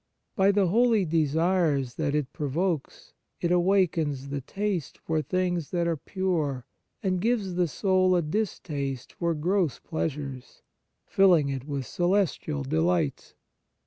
By the holy desires that it provokes, it awakens the taste for things that are pure, and gives the soul a distaste for gross pleasures, filling it with celestial delights.